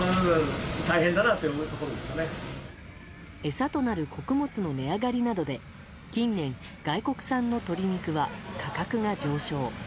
餌となる穀物の値上がりなどで近年、外国産の鶏肉は価格が上昇。